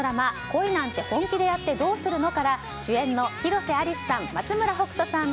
「恋なんて、本気でやってどうするの？」から主演の広瀬アリスさん